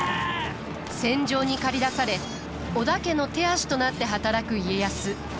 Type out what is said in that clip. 戦場に駆り出され織田家の手足となって働く家康。